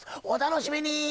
お楽しみに！